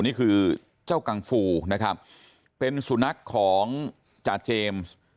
นี่คือเจ้ากังฟูนะครับเป็นสุนัขของจาเจมส์